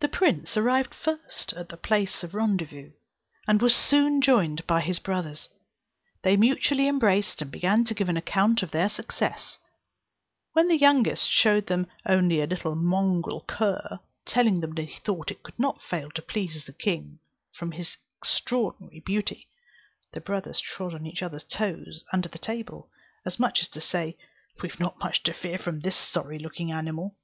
The prince arrived first at the place of rendezvous, and was soon joined by his brothers; they mutually embraced, and began to give an account of their success; when the youngest showed them only a little mongrel cur, telling them he thought it could not fail to please the king from its extraordinary beauty, the brothers trod on each other's toes under the table; as much as to say, we have not much to fear from this sorry looking animal.